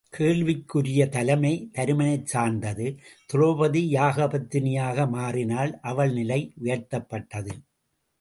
வேள்விக்கு உரிய தலைமை தருமனைச் சார்ந்தது திரெளபதி யாகபத்தினியாக மாறினாள் அவள் நிலை உயர்த்தப்பட்டது.